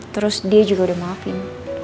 terus dia juga udah maafin